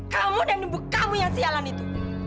kamu dan ibu kamu yang sialan itu